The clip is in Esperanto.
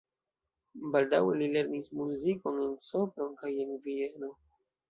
Baldaŭe li lernis muzikon en Sopron kaj en Vieno.